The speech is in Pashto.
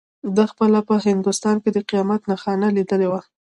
ده خپله په هندوستان کې د قیامت نښانه لیدلې وه.